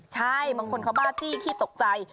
ใช่บางคนเขาบ้าจี้ขี้ตกใจ